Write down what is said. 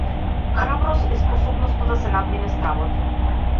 Храброст е способноста да се надмине стравот.